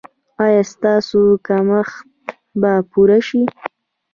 ایا ستاسو کمښت به پوره شي؟